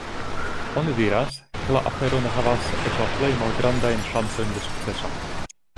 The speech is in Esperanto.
Oni diras, ke la afero ne havas eĉ la plej malgrandajn ŝancojn de sukceso.